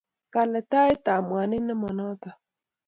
Kaletaet ab mwanik ne ma notok